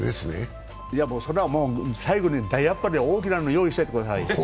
それは最後に大あっぱれ、大きなのを用意しておいてくださいよ。